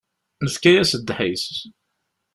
Nefka-yas ddḥis.